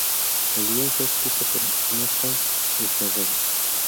El guión fue escrito por McKay y Ferrell.